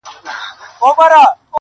زه چي وګورمه تاته عجیبه سم-